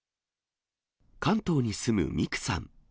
関東に住むミクさん。